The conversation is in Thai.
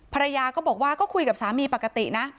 ภรรยาก็บอกว่าก็คุยกับสามีปกตินะ